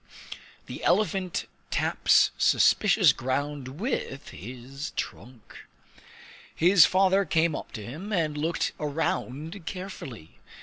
The Elephant Taps Suspicious Ground with his Trunk His father came up to him, and looked around carefully.